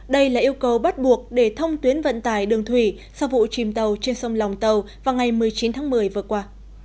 đây là yêu cầu bắt buộc để thông tuyến vận tải đường thủy sau vụ chìm tàu trên sông lòng tàu vào ngày một mươi chín tháng một mươi vừa qua